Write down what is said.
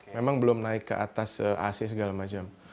memang belum naik ke atas ac segala macam